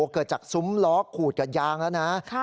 เกิดจากซุ้มล้อขูดกับยางแล้วนะ